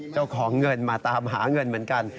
เจ้าของเงินมาตามหาเงินเหมือนกัน